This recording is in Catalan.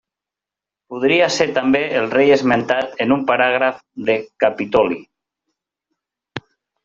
Podria ser també el rei esmentat en un paràgraf de Capitolí.